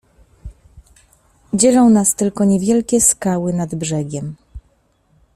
"Dzielą nas tylko niewielkie skały nad brzegiem."